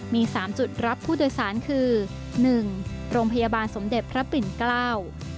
มีสามจุดรับผู้โดยสารคือหนึ่งโรงพยาบาลสมเด็จพระปิ่นเกล้า